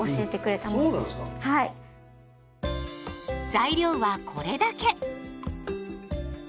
材料はこれだけ。